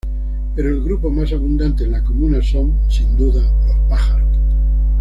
Pero el grupo más abundante en la Comuna son, sin duda, los pájaros.